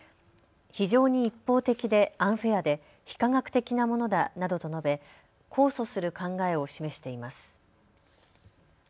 非常に一方的でアンフェアで非科学的なものだなどと述べ控訴する考えを示しています。